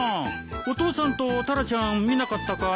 お父さんとタラちゃん見なかったかい？